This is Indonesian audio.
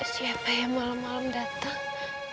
siapa yang malam malam datang